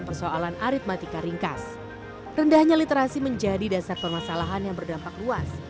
pertama penelitian literasi menjadikan permasalahan yang berdampak luas